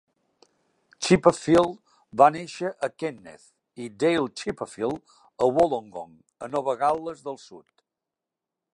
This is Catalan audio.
Chipperfield va néixer a Kenneth i Dale Chipperfield a Wollongong, a Nova Gal·les del Sud.